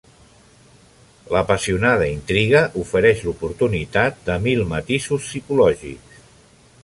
L'apassionada intriga ofereix l'oportunitat de mil matisos psicològics.